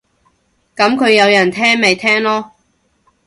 噉佢有人聽咪聽囉